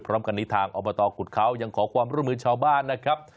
พร้อมกันนี้ทางอบตขุดเขายังขอความร่วมมือชาวบ้านนะครับ